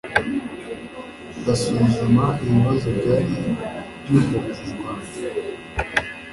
basuzuma ibibazo byari byugarije u Rwanda,